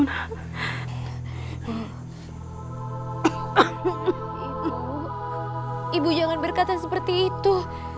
ibu ibu jangan berkata seperti itu